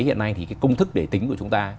hiện nay thì cái công thức để tính của chúng ta